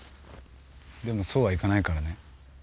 でもそうはいかないからね。